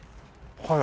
はい。